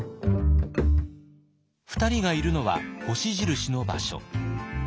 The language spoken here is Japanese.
２人がいるのは星印の場所。